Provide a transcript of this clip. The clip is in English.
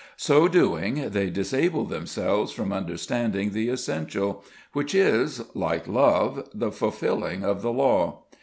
So doing they disable themselves from understanding the essential, which is, like love, the fulfilling of the law.